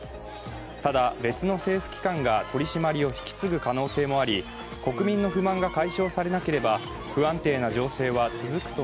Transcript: ただ、別の政府機関が取り締まりを引き継ぐ可能性もあり国民の不満が解消されなければ不安定な情勢は続くと